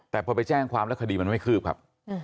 แต่พอไปแจ้งความแล้วคดีมันไม่คืบครับ